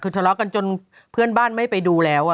คือทะเลาะกันจนเพื่อนบ้านไม่ไปดูแล้ว